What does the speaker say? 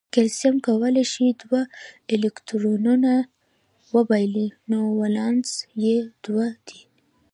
کلسیم کولای شي دوه الکترونونه وبایلي نو ولانس یې دوه دی.